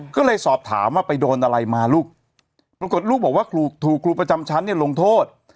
ก็เลยสอบถามว่าไปโดนอะไรมาลูกปรากฏลูกบอกว่าถูกครูประจำชั้นเนี่ยลงโทษ